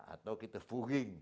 atau kita fuling